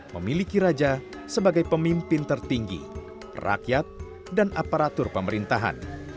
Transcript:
memiliki raja sebagai pemimpin tertinggi rakyat dan aparatur pemerintahan